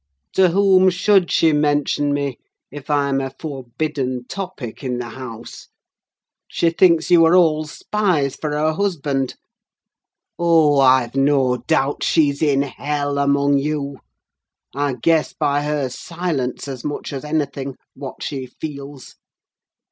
To whom should she mention me if I am a forbidden topic in the house? She thinks you are all spies for her husband. Oh, I've no doubt she's in hell among you! I guess by her silence, as much as anything, what she feels.